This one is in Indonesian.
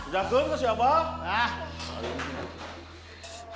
jatuhin ke si abah